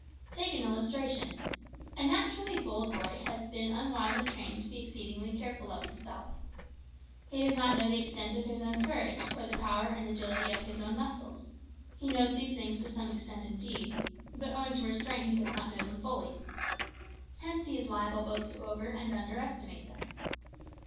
Take an illustration. A naturally bold boy has been unwisely trained to be exceedingly careful of himself. He does not know the extent of his own courage, or the power and agility of his own muscles; he knows these things to some extent indeed, but owing to restraint he does not know them fully. Hence he is liable both to over and under estimate them.